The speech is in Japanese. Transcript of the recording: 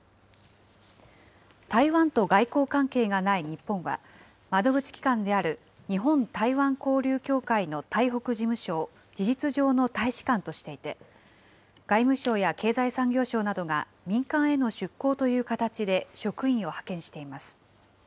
台湾と外交関係がない日本は、窓口機関である日本台湾交流協会の台北事務所を事実上の大使館としていて、外務省や経済産業省などが民間への出向という形で職員を派遣しています。